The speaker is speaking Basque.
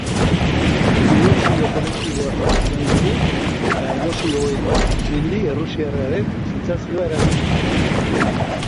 Ilusio kolektiboa sortu nahi dugu eta emozien mendi errusiarraren sentsazioa eragin.